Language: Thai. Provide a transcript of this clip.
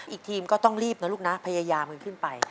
อีกทีมก็ต้องรีบนะลูกนะพยายามกันขึ้นไป